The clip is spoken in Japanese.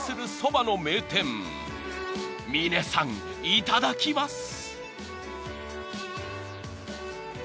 ［峰さんいただきます］